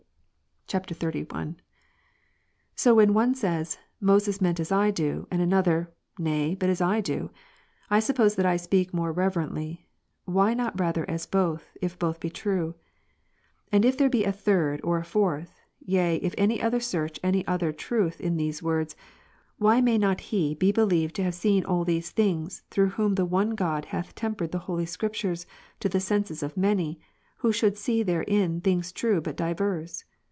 [XXXI.] 42. So when one says, " Moses meant as I do;" and another, " Nay, but as I do," I suppose that I speak more reverently, "Why not rather as both, if both be true ?" I And if there be a third, or a fourth, yea if any other seeth any I other trutn in those words, why may not he be believed to have seen all these, through whom the One God hath tempered the holy Scriptures to the senses of many, who should see therein things true but divers ?